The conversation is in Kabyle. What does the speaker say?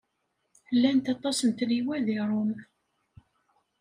Llant aṭas n tliwa di Rome.